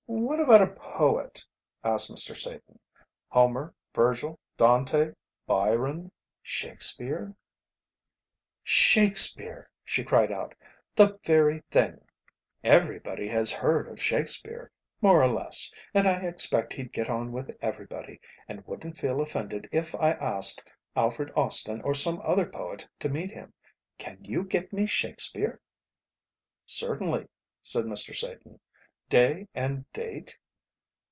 "What about a poet?" asked Mr. Satan, "Homer, Virgil, Dante, Byron, Shakespeare?" "Shakespeare!" she cried out, "the very thing. Everybody has heard of Shakespeare, more or less, and I expect he'd get on with everybody, and wouldn't feel offended if I asked Alfred Austin or some other poet to meet him. Can you get me Shakespeare?" "Certainly," said Mr. Satan, "day and date?"